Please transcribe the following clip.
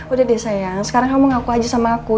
udah deh saya sekarang kamu ngaku aja sama aku